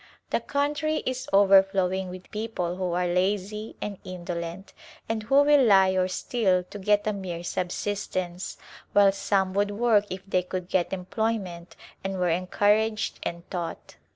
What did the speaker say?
The country is overflowing with people who are lazy and indolent and who will lie or steal to get a mere subsistence, while some would work if they could get employment and were encouraged and taught.